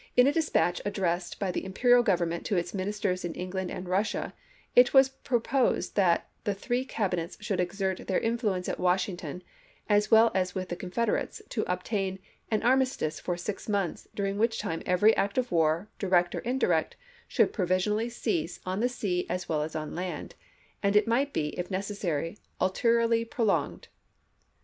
In a S)f 1862! dispatch addressed by the Imperial Grovernment to its Ministers in England and Russia it was pro posed that the three Cabinets should exert their influence at Washington, as well as with the Con federates, to obtain " an armistice for six months, during which time every act of war, direct or in direct, should provisionally cease on the sea as well as on land, and it might be, if necessary, ulteriorly prolonged."